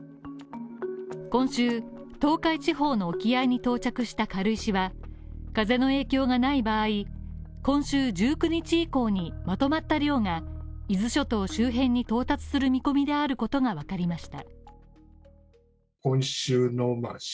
今週、東海地方の沖合に到着した軽石は、風の影響がない場合、今週１９日以降にまとまった量が伊豆諸島周辺に到達する見込みであることがわかりました。